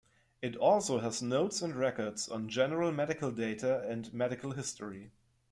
It also has notes and records on general medical data and medical history.